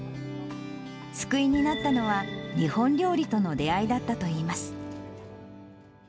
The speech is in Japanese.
救いになったのは、日本料理との出会いだったといいます。